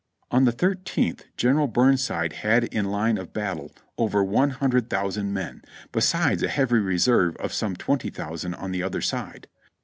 On the thirteenth General Burnside had in line of battle over one hundred thousand men, besides a heavy reserve of some twenty thousand on the other side.